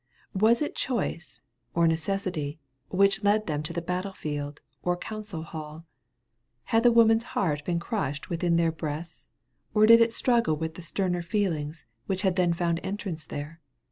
Was it choice, or necessity, which led them to the battle field, or council hall? Had the woman's heart been crushed within their breasts? or did it struggle with the sterner feelings which had then found entrance there?